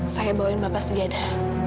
saya bawain bapak segeda